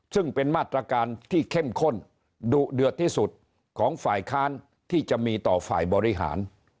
ซึ่งเป็นมาตรการที่เข้มข้นดุเดือดที่สุดของฝ่ายค้านที่จะมีต่อฝ่ายบริหาร